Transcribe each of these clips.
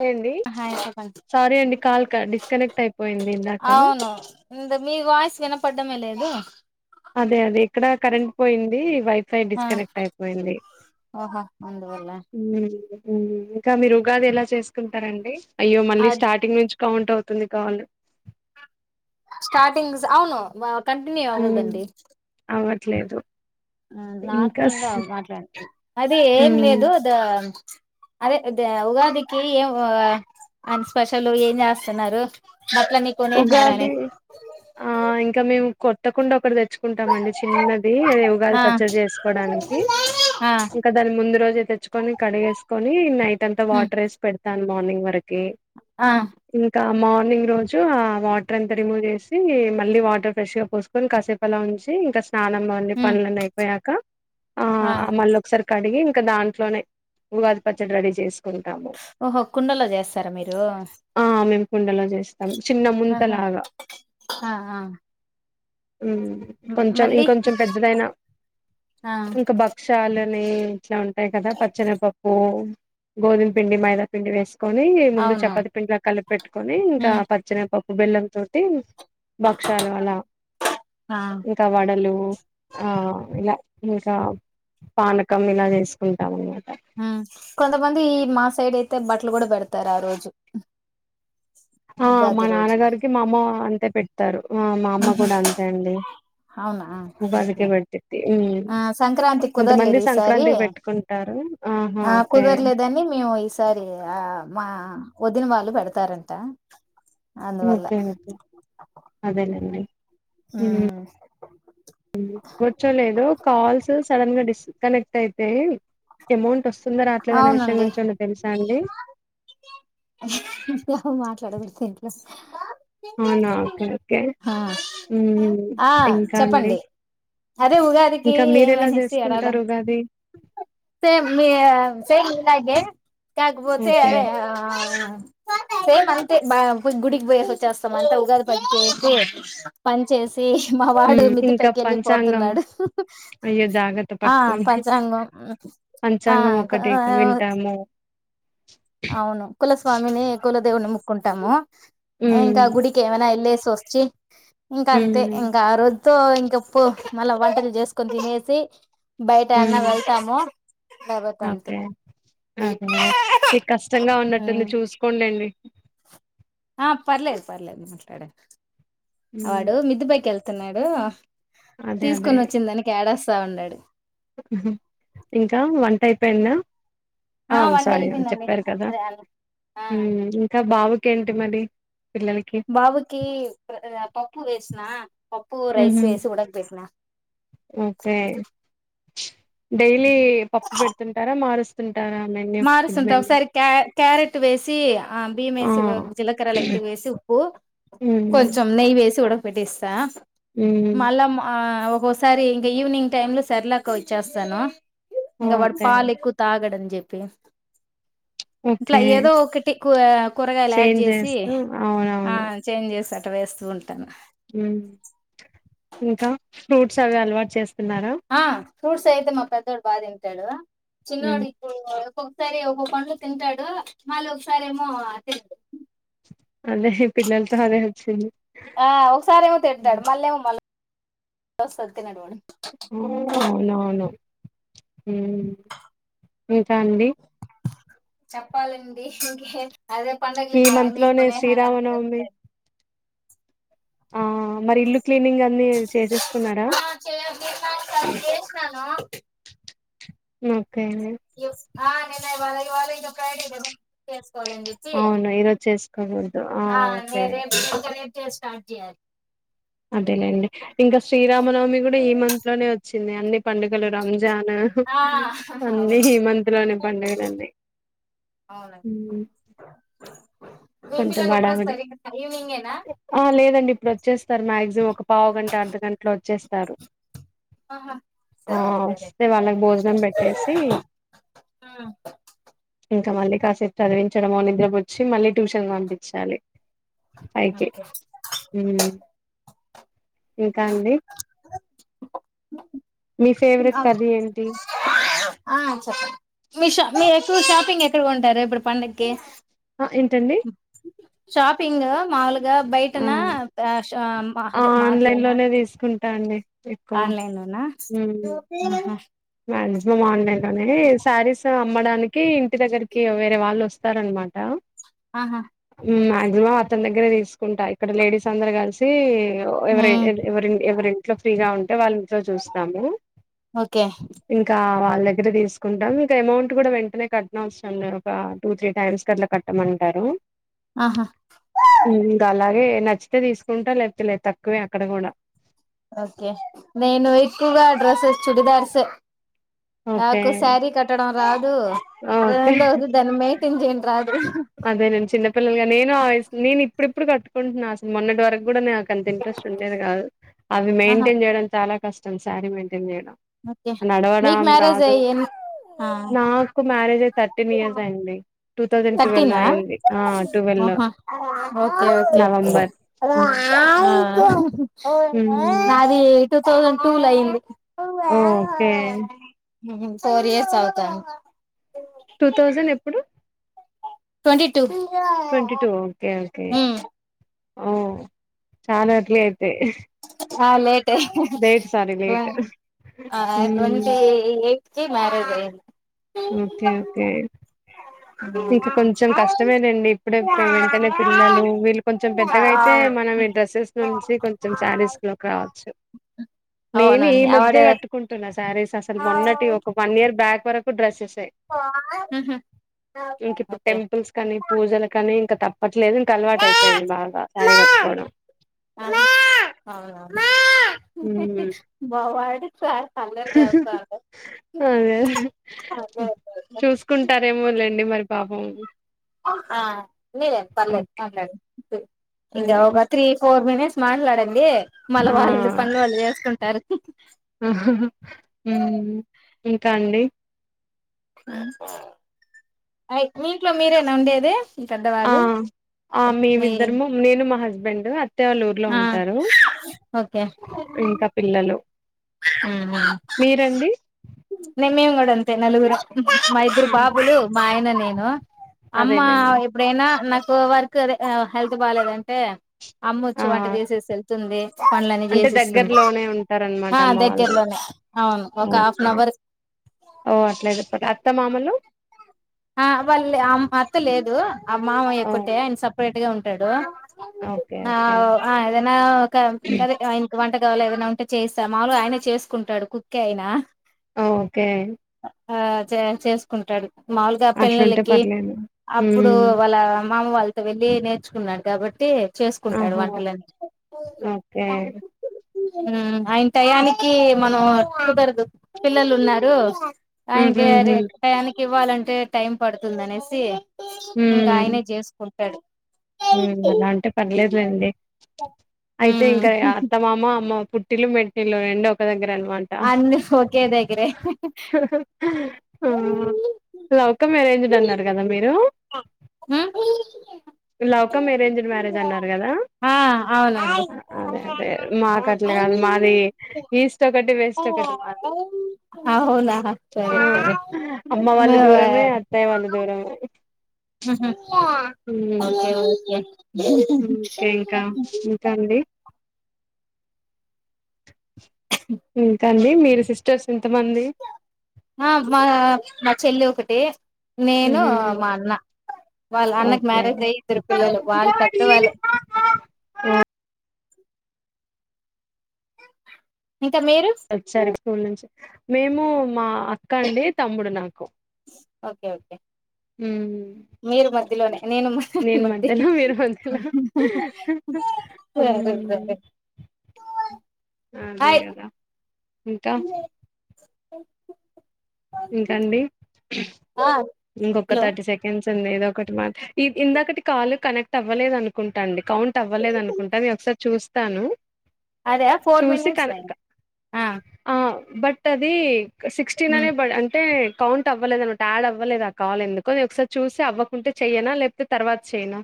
సరే అండి హాయ్ చెప్పండి సారీ అండి కాల్ డిస్కకనెక్ట్ అయిపోయింది ఇందాక అవును ఇంద మీ వాయిస్ వినపడ్డమే లేదు అదే అదే ఇక్కడ కరెంట్ పోయింది వైఫై ఆ డిస్కనెక్ట్ అయిపోయింది ఓహో అందువల్ల ఉమ్ ఇంకా మీరు ఉగాది ఎలా చేసుకుంటారండి అయ్యో అ మళ్ళీ స్టార్టింగ్ నుంచి కౌంట్ అవుతుంది కాళు స్టార్టింగ్స్ అవును కంటింటన్యూ అవ్వదండి లేదు నార్మల్గా మాట్లాడ అది ఏం ఉమ్, లేదు అద అదే ఉగాదికి ఏం అ స్పెషల్ ఏం చేస్తున్నారు బట్టలన్నీ కొనేసినార అని ఉగాది ఆ ఇంకా మేము కొత్తకుండా ఒకడిది తెచ్చుకుంటామండి చిన్నది అద ఉగాది ఆ పచ్చడి చేసుకోవడానికి ఆ ఇంకా దాని ముందు రోజ తెచ్చుకొని కడిగివేసుకొని నైట్ అంతా వాటర్ వేసి పెడతాను మార్నింగ్ వరకు ఇంకా మార్నింగ్ రోజు ఆ వాటర్ అంతా రిమూవ్ చేసి మళ్ళీ వాటర్ ఫ్రెష్ గా పోసుకొని కాసేపూ అలా ఉంచి ఇంకా స్నానం అన్ని ఉమ్ పనులన్నీ అయిపోయాక ఆ మళ్ళ ఒకసారి కడిగి ఇంకా దాంట్లోనే ఉగాది పచ్చడి రెడీ చేసు ఓహో కుండలో చేస్తారా మీరు ఆ మేము కుండలో చేస్తాం చిన్న ముంత ఆహా లాగా ఆ ఆ కొంచెం మళ్ళీ ఇంకొంచెం పెద్దదనా ఆ ఇంకా భక్ష్యాలని ఇట్లా ఉంటాయి కదా పచ్చనిపప్పు గోధుమ పిండి మైదా పిండి వేసుకొని ముందు అవునవును చపాతి పిండిలా కలిపి పెట్టుకొని ఇంకా ఉమ్ ఇ పప్పు బెల్లం తోటి భక్షాలు అలా ఆ ఇంకా వడలు ఆ ఇలా ఇంకా పానకం ఇలా చేసుకుంటాం అన్నమాట ఉమ్ కొంతమంది ఈ మా సైడ్ అయితే బట్టలు కూడా పెడతారు ఆ రోజు ఆ మా ఉగాది రోజు నాన్నగారికి మా అమ్మ అంతే పెడతారు మా అమ్మ ఉహు కూడా అంతే అండి అవునా బడిక ఓకే పటిది. ఆ సంక్రాంతి కొంతమంది కుదరలేదు ఈసారి సంక్రాంతికి పెట్టుకుంటారు. ఆ కుదరలేదని మేము ఈసారి ఆ మా వదిన వాళ్ళు పెడతారంట. అందువల్ల ఇంకేంటి అదే లేండి. ఉమ్ కూర్చోలేదు కాల్స్ సడన్ గా డిస్కనెక్ట్. అయితే అమౌంట్ వస్తుందా రాట్లేదు అనే విషయం అవునండి గురించిన్న ఏమన్నా తెలుసా అండి. మాట్లాడకుండా ఉంటే ప్లస్. అవునా ఓకే ఓకే ఆ ఉమ్ ఆ ఇంకా అండి చెప్పండి. అదే ఉగాదికి ఇంకా ఏమ మీరెలా అనేసి చేసుకుంటారు ఎడాదంత. ఉగాది సేమ్ మీ మీలాగే కాకపోతే ఓకే అదే ఆ. అ. సేమ్ అంతే బా గుడికి పోయేసి వచ్చేస్తాం అంతే ఉగాది పట్ చేసి పని చేసి. మావాడు హ్మ్ ఇంకా మితిపైకి పంచాంగం వెళ్ళిపోతున్నాడు అయ్యో జాగ్రత్త ఆ పట్టుకోండి. పంచాంగం. ఆ. పంచాంగం ఒకటి ఇక వింటాము. అవును కులస్వామిని కులదేవుని ముక్కుంటాము హ్మ్. ఇంకా గుడికి ఏమైనా వెళ్ళేసి. కోచి ఇంకా అంతే హ్మ్. ఇంకా ఆ రోజు. తో ఇంక పో మళ్ళా వంటలు చేసుకొని తినేసి. బయట అన్న హ్మ్. వెళ్తాము లేపోతె అంత. ఓకే. ‌ ఇష్టంగా ఉన్నట్టుంది చూసుకోంలేండి. ఆ పర్లేదు, పర్లేదు మాట్లాడ హ్మ్. వాడు మిద్దుపైకి వెళ్తున్నాడు. అదే అదే. తీసుకొని వచ్చింది దానికిఎడస్తా ఉన్నాడు. ఇంకా వంటైపోయింద. ఆ వంట సారీ అ అయిపోయిందండి చెప్పారు కదా అదే ఆ ఇంకా బావుకేంటి మరి. పిల్లలకి? బాబకి పప్పు వేసిన పప్పు హుహు. రైస్ వేసి ఉడక పెట్టిన. ఓకే డైలీ పప్పు పెడుతుంటారా మారుస్తు. మారుస్తుంటా ఒకసారి క క్యారెట్ వేసి ఆ బియం వేసి జీలకర్రలు లైట్ గా వేసి ఉప్పు. కు హ్మ్. కొంచెం నెయ్యి వేసి ఉడక పెట్టేస్తా హ్మ్. మల్ల మా. ఆ ఒక్కోసారి ఇంకా ఈవనింగ్ టైమ్ంలో సరిలాక వ చ్చేస్తాను. ఇంకా వాడు ఓకే. పాలు ఎక్కువ తాగడని చెప్పిన. ఇట్లా ఓకే. ఏదో ఒకటి కూరగాయలు యాడ్ చేంజ్ చేసి చేస్తూ ఆ అవునవును చేంజ్ చేశా. వేస్తుంట్. ఇంకా ఫ్రూట్స్ అవి అలవాటు చేస్తున్నారా. ఆ ఫ్రూట్స్ అయితే మా పెద్దోడు బాగా తింటాడు ఉమ్ చిన్నోడు ఇప్పుడు. ఒక్కొక్కసారి ఒ పండు తింటాడు మళ్ళీ ఒకసారి ఏమో అంతే అంటే అటేటె. అదే పిల్లతో అదే వచ్చింది. ఆ ఒకసారి ఏమో తిడతాడు మళ్ళ ఏమో మళ్ళ తినడు వాడు. అవునవును. ఇంకా అండి. చెప్పాలండి ఇంకేం. అదే ఈ పంండగలి మంత్ మీ లోనే కొనే హ. శ్రీరామనవమి ఆ మరి ఇల్లు క్లీనింగ్ అన్ని చేసేసుకున్నారా. ఆ చే నిన్న ఒకసారి చేసినాను. ఉ. ఇ నేన ఇవాళ ఇవాళ ఇంకా ఫ్రైడే కదా. కొలనికి అవును ఈరోజు చేసుకోకూడదు ఆ ఓకే నేను రేపు. నేను స్టార్ట్ చేయాలి. అదేలేండి ఇంకా శ్రీరామనవమి కూడా ఈ మంత్ లోనే వచ్చింది అండి. పండుగలు రంజాన్ ఆ అన్నీ ఈ అవునవును మంత్ లోనే పండుగలు అన్ని. అవునండి ఉమ్. మీ కొంచెం పిల్లలు అడాగది ఎప్పుడొస్తారు ఇంకా ఈవినింగేనా ఆ లేదండి ఇప్పుడు వచ్చేస్తారు వచ్చేసాం ఒక పావు గంట అర్ధగంట ఇంట్లో వచ్చేస్తారు ఆహా ఆ సరే సరే వస్తే వాళ్ళకి భోజనం పెట్టేసి ఆ ఇంకా మళ్ళీ కాసేపు చదివించడం నిద్రపో వచ్చి మళ్ళీ ట్యూషన్ పంపించాలి అయితేే ఓకే హ ఇంకా అండి మీ ఫేవరెట్ కర్రీ ఏంటి చెప్పండి మీష మీ ఎకు షాపింగ్ ఎ ఎక్కడ ఉంటారు ఇప్పుడు పండగక్కి ఆ ఏంటండి షాపింగ్ మామూలుగా గా ఆ బయటనా అ అ అదే ఆన్లైన్ మార్ట్లోనా లోనే తీసుకుంటా అండి ఎక్కువ ఆన్లైన్ లోనా హ్మ్. మాక్సిమం ఆన్లైన్ లోనే సారీస్ అమ్మడానికి ఇంటి దగ్గరికి వేరే వాళ్ళు వస్తారనమాట ఆహా మాక్సిమం అతని దగ్గరే తీసుకుంటా ఇక్కడ లేడీస్ అందరు కలిసి ఎవ ఉమ్ ఎవరి ఎవరింట్లో ఫ్రీగా ఉంటే వాళ్ళ ఇంట్లో చూస్తాము ఓకే ఇంకా వాళ్ళ దగ్గర తీసుకుంటాం ఇంకా అమౌంట్ కూడా వెంటనే కట్టణవసరంలే ఒక టూ త్రీ టైమ్స్ కి అట్లా కట్టమంటారు ఆహా ఇంకలాగే న నచ్చితే తీసుకుంటా లేకపోతే లేదు తక్కువే అక్కడ కూడా ఓకే నేను ఎక్కువగా డ్రెస్సెస్ చూడిదార్సే ఓకే నాకు శారీ కట్టడం రాదు ఓకే రెండోది దాని మెయింటేన్ చేయటం కూడా రాదు అదే నేను చిన్నపిల్లలుగా నేను నేను ఇప్పుడిప్పుడు కట్టుకుంటున్నాను అసలు మొన్నటి వరకు కూడా అంత ఇంట్రెస్ట్ ఉండేది కాదు అవి ఆహా మెయింటైన్ చేయడం చాలా కష్టం శారీ మయి టైన్ చేయడం ఓకే అ మీకు నడవడం మ్యారేజ్ రాదు అయ్యి ఎన్ ఆ నాకు మ్యారేజ్ థర్టీన్ ఇయర్స్ అయింది టువెల్లో అయింది ఆ ట్వెల్వ్ లో ఓహా ఓకే నవంబర్ ఓకే మ్మ్ నాది టూ థౌసండ్ టూ లో అయింది ఓకే ఫోర్ఇయర్స్ అవుతా టూ థౌజండ్ ఎప్పుడు ట్వంటీ టూ ట్వంటిటూ ఆ ఓకే ఓకే మ్ ఓ చాలా అట్లేయితే చాలా లేటైంది లేట్ ఆ మ్మ్ ట్వంటీ ఎయిట్కి మ్యారేజ్ అయింది ఓకే ఓకే ఇంక కొంచెం కష్టమేదండి ఇప్పుడే వెంటనే పిల్లలు వీళ్ళు కొంచెం పెద్దగా అయితే మనం మీ డ్రెస్సెస్ నుంచి కొంచెం శారీస్ లో రావచ్చు నేను ఈ అవునండి మధ్య ఆవిడ కట్టుకుంటున్నా శారీస్ అసలు మొన్నటి ఒక వన్ ఇయర్ బ్యాక్ వరకు డ్రెస్సెస్ ఆమ్ ఆహ్ ఇంక ఇప్పుడు టెంపుల్స్ కానీ పూజలు కానీ ఇంకా తప్పట్లేదు ట్లేదు ఇంక అలవాటు అయిపోయింది బాగా శారీ కట్టుకోవడం ఉమ్ మావాడు చాలా అల్లరి చేస్తాడు అదే అదే చూసుకుంటారేమో లేండి మరి పాపం ఆ ఉన్నిలే పర్లేదు ఓకే మాట్లాడు ఇంకా అయ్యో ఒక త్రీ ఫోర్ మినిట్స్ మాట్లాడండి మళ్ళ ఆ వాళ్ళ పనులు వాళ్ళు చేసుకుంటారు హ్మ్. ఇంకా అండి అయ్ మీ ఇంట్లో మీరేనా ఉండేది మీ ఆ పెద్దవాళ్ళు ఆ మీ మేమిద్దరము నేను మా హస్బ స్బెండ్ అత్తయ్య వాళ్ళు ఊర్లో ఆ ఉంటారు ఇంకా పిల్లలు ఉమ్ మీరండి నే మేము కూడా అంతే నలుగురం మా ఇద్దరు ఆ! బాబులు మా ఆయన నేను అమ్మ అదేలేండి ఎప్పుడైనా నాకు వర్క్ అదే హెల్త్ బాలేదంటే ఆ అమ్మొచ్చు వంట చేసేసి వెళ్తుంది పనులని చేసిస్తుంది ఆ దమ్మ వాళ్ళు దగ్గరలోనే అవును ఒక హాఫ్ ఓకే అన్ అవర్ ఓ అట్లేదు అత్త మామలు ఆ వాళ్ళు అం అత్త లేదు ఆ మామయ్య ఓ ఒక్కటే ఆయన సపరేట్ గా ఉంటాడు ఓకే ఆ ఓకే అదనా ఒక అదే వంట కావాల ఏదైనా ఉంటే చేస్తా మాములుగా ఆయన చేసుకుంటాడు కుక్కే ఆయినా ఓకే ఆ చే చేసుకుంటాడు మాములుగా అట్లుంటే పెళ్లిలకి పర్లేదు అప్పుడు హ్మ్ వాళ్ళ మామ వాళ్ళతో వెళ్ళి నేర్చుకున్నాడు కాబట్టి చేసుకుంటాడు ఆహా వంటలన్నీ ఓకే ఉమ్ ఆన్ టయానికి మనం కుదరదు పిల్లలు ఉన్నారు ఆయనకి ర హుహుహు టయానికి ఇవ్వాలంటే టైం పడుతుంది అనేసి ఇంకా ఆయనే చేసుకుంటాడు అలాంటే పర్లేదులేండి అయితే మ్ ఇంకా అత్తమామ అమ్మ పుట్టిలు మెట్టిలు రెండు ఒక దగ్గరే అన్నమాట ఆ అన్ని ఒకే దగ్గరే లవ్ కమ్ అరేంజ్డ్ అన్నారు కదా మీరు మ్ లౌకమ్ ఎరేంజ్డ్ మ్యారేజ్ అన్నారు కదా ఆ అవునండి అదే అదే మాకట్ల కాదు మాది ఈస్ట్ ఒక వెస్ట్ ఒకటి మాది అవునా ఆ సరే సరే అమ్మ వాళ్ళ మే దూరమే అ అత్తయ్య వాళ్లు దూరం ఓకే ఓకే ఓకే ఇంకా ఇంకా అండి ఇంకాండి మీరు సిస్టర్స్ ఎ ఆ మా మా చెల్లి ఒకటి నేను హుహు. మా అన్న వాళ్ళ అన్నకి ఓకే మ్యారేజ్ ఓహ్! అయ్యి ఇద్దరు పిల్లలు వాళ్ళు పెద్దవాళ్లే ఆ ఇంకా మీరు వచ్చారు స్కూల్ నుంచి మేము మా అక్క అండి తమ్ముడు నాకు ఓకే ఓకే హ్మ్. మీరు మధ్యలోనే నేను మది మధ్యలో మీరు మధ్యలో సరే హ్మ్. సరే అదే హాయ్ కదా ఇంకా అ ఇంకాండి ఆ ఇంకొక హలో థర్టీ సెకండ్స్ ఉంది ఏదో ఒకటి మాట్ల ఇందాకటి కాల్ కనెక్ట్ అవ్వలేదు అనుకుంటాండి కౌంట్ అవ్వలేద అనుకుంటా నే ఒకసారి చూస్తాను అదే ఫోర్ చూసి మినిట్స్ కనెక్ట్ అయింది ఆ బట్ అది సిక్స్టీలోనే ఉమ్ బడ్ అంటే కౌంట్ అవ్వలేదు అనమాట యాడ్ అవ్వ అవ్వలేదు ఆ కాల్ ఎందుకో ఒకసారి చూసి అవ్వకుంటే చెయ్యనా లేకపోతే తర్వాత చెయ్యనా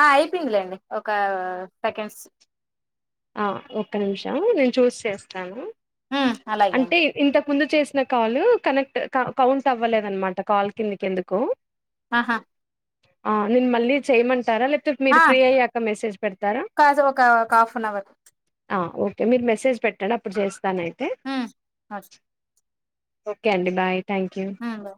ఆ అయిపోందిలేండి ఒక సెకండ్స్ ఆ ఒక్క నిమిషం నేను చూసి చేస్తాను ఉమ్ అలాగే అండి అంటే ఇంత ముందు చేసిన కాల్ కనెక్ట్ కౌంట్ అవ్వలేదన్నమాట కాల్ కిందికి ఎందుకో ఆహా నేను మళ్ళీ చేయమంటారా లేకపోతే మీరు ఆ ఫ్రీ అయ్యాక మెసేజ్ పెడతారా కాదు ఒక ఒక హాఫ్ అన్ అవర్ ఆ ఓకే మీరు మెసేజ్ పెట్టండి అప్పుడు చేస్తానైతే ఉమ్ ఓకే అండి బాయ్ థ్యాంక్ యూ ఉమ్